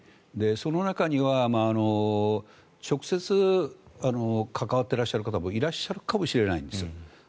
その中には直接関わっていらっしゃる方もいらっしゃるかもしれないんですよ。